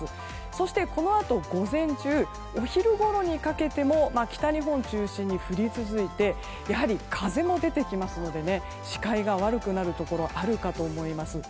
そして、このあと午前中お昼ごろにかけても北日本中心に降り続いてやはり風も出てきますので視界が悪くなるところあるかと思います。